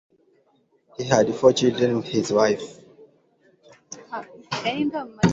He had four children with his wife.